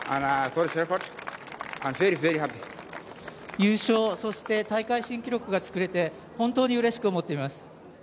優勝そして大会新記録が作れて本当にうれしく思っています。